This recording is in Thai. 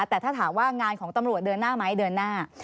แต่ถ้าถามว่างานของตำรวจเดินหน้าไหมเดินหน้า